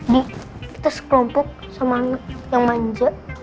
di kita sekelompok sama yang manja